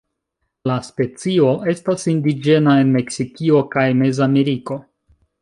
La specio estas indiĝena en Meksikio kaj Mezameriko.